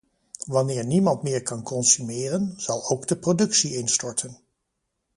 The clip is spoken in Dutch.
Wanneer niemand meer kan consumeren, zal ook de productie instorten.